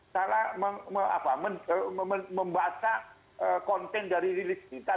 salah membaca konten dari list kita